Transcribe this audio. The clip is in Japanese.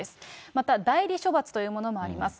また代理処罰というものもあります。